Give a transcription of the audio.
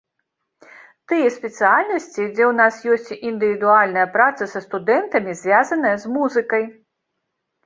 Тыя спецыяльнасці, дзе ў нас ёсць індывідуальная праца са студэнтамі, звязаная з музыкай.